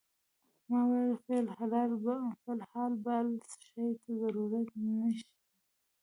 ما وویل فی الحال بل شي ته ضرورت نه شته.